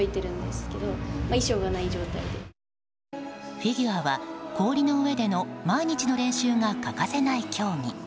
フィギュアは氷の上での毎日の練習が欠かせない競技。